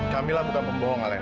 kamilah bukan pembohong alena